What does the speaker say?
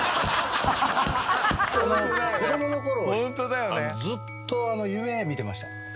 「子供のころずっと夢見てました」